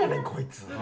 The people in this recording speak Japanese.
こいつ。